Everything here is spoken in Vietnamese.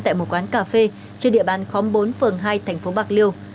tại một quán cà phê trên địa bàn khóm bốn phường hai thành phố bạc liêu